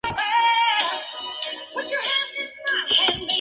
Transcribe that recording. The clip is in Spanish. La Gema estaba vinculada mentalmente a ella, dándole el poder de controlar el tiempo.